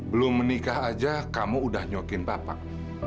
belum menikah aja kamu udah nyokin bapak